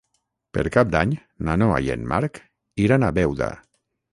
Per Cap d'Any na Noa i en Marc iran a Beuda.